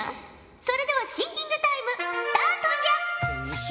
それではシンキングタイムスタートじゃ！